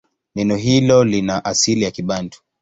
Neno hilo lina asili ya Kibantu.